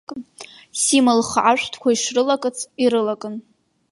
Сима лхы ашәҭқәа ишрылакыц ирылакын.